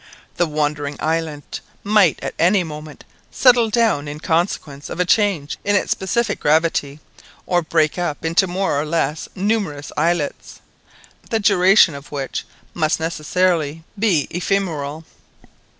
The wandering Island might at any moment settle down in consequence of a change in its specific gravity, or break up into more or less numerous islets, the duration of which must necessarily be ephemeral.